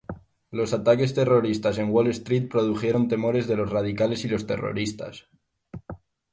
Los ataques terroristas en Wall Street produjeron temores de los radicales y los terroristas.